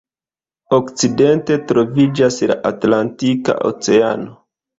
Okcidente troviĝas la Atlantika Oceano.